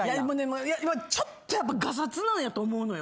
ちょっとやっぱがさつなんやと思うのよ。